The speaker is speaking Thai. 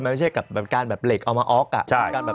ไม่ใช่กับการเหล็กเอามาอ๊อก